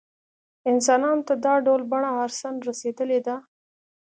انسانانو ته دا ډول بڼه ارثاً رسېدلې ده.